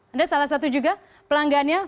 anda salah satu juga pelanggannya